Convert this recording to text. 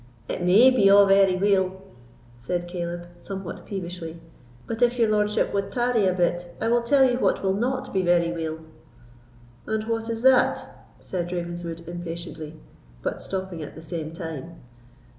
"It may be a' very weel," said Caleb, somewhat peevishly; "but if your lordship wad tarry a bit, I will tell you what will not be very weel." "And what is that?" said Ravenswood, impatiently, but stopping at the same time.